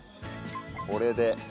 これで。